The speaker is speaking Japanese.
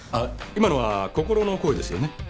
今のは心の声ですよね？